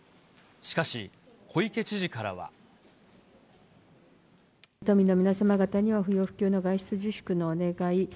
しかし、小池知事からは。都民の皆様方には、不要不急の外出自粛のお願い。